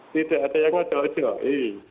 tidak ada yang ngojok ngojok